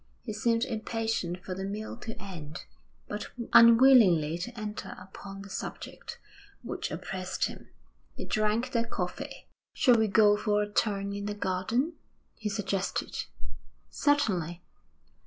He seemed impatient for the meal to end, but unwilling to enter upon the subject which oppressed him. They drank their coffee. 'Shall we go for a turn in the garden?' he suggested. 'Certainly.'